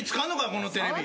このテレビ。